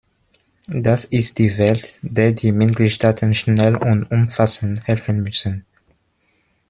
Das ist die Welt, der die Mitgliedstaaten schnell und umfassend helfen müssen.